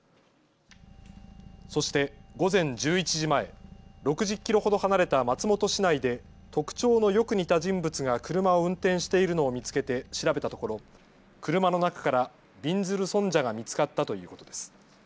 そして午前１１時前、６０キロほど離れた松本市内で特徴のよく似た人物が車を運転しているのを見つけて調べたところ車の中からびんずる尊者が見つかったということです。